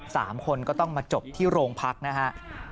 สามคนก็ต้องมาจบที่โรงพักนะฮะ